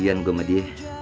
kasian gue sama dia